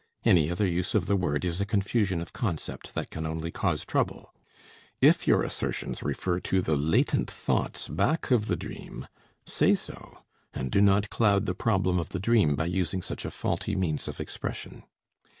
Any other use of the word is a confusion of concept that can only cause trouble. If your assertions refer to the latent thoughts back of the dream, say so, and do not cloud the problem of the dream by using such a faulty means of expression.